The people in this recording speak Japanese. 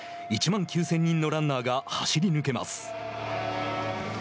１万９０００人のランナーが走り抜けます。